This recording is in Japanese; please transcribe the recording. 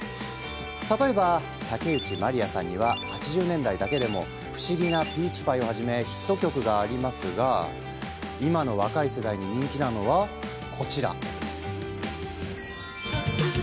例えば、竹内まりやさんには８０年代だけでも「不思議なピーチパイ」をはじめヒット曲がありますが今の若い世代に人気なのはこちら。